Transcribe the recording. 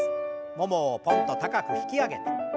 ももをぽんと高く引き上げて。